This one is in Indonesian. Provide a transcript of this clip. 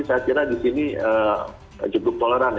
saya kira di sini cukup toleran ya